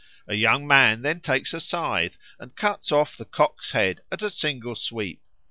A young man then takes a scythe and cuts off the cock's head at a single sweep.